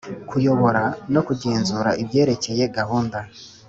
Kuyobora no kugenzura ibyerekeye gahunda